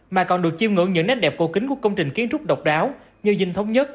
mà còn được chiêm ngưỡng những nét đẹp cổ kính của công trình kiến trúc độc đáo như dinh thống nhất